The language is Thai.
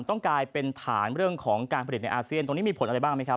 กลายเป็นฐานเรื่องของการผลิตในอาเซียนตรงนี้มีผลอะไรบ้างไหมครับ